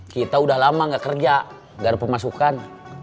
kita udah lama nggak kerja nggak ada pemasukan